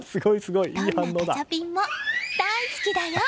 どんなガチャピンも大好きだよ！